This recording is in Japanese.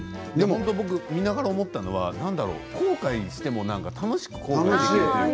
見ながら思ったのは後悔しても楽しく後悔できる。